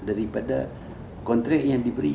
dari kontrak yang diberi